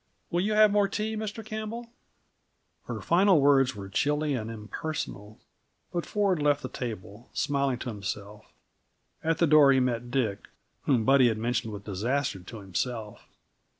"Will you have more tea, Mr. Campbell?" Her final words were chilly and impersonal, but Ford left the table, smiling to himself. At the door he met Dick, whom Buddy had mentioned with disaster to himself.